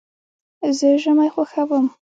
زه ژمی خوښوم.